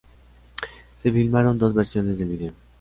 Se filmaron dos versiones del vídeo.